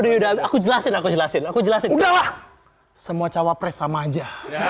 ya udah aku jelasin jelasin jelasin aku jelasin semua cawapres sama aja